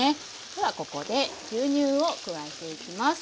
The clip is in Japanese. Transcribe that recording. ではここで牛乳を加えていきます。